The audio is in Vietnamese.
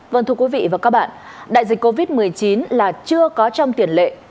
vâng thưa quý vị và các bạn đại dịch covid một mươi chín là chưa có trong tiền lệ